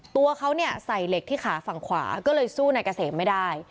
ตัวเขาเนี่ยใส่เหล็กที่ขาฝั่งขวาก็เลยสู้นายเกษมไม่ได้